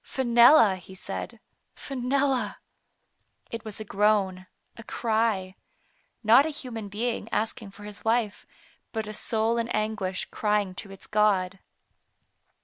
"Fenella," he said, "Fenella;" it was a moan, a cry; not a human being asking for his wife, but a soul in anguish crying to its God.